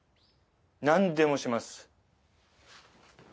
なんでもします。